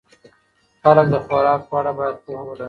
خلک د خوراک په اړه باید پوهه ولري.